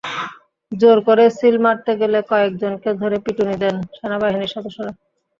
জোর করে সিল মারতে গেলে কয়েক জনকে ধরে পিটুনি দেন সেনাবাহিনীর সদস্যরা।